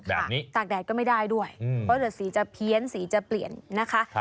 ตากแดดก็ไม่ได้ด้วยเพราะเดี๋ยวสีจะเพี้ยนสีจะเปลี่ยนนะคะ